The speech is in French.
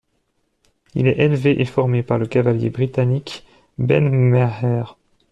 Il est élevé et formé par le cavalier britannique Ben Maher.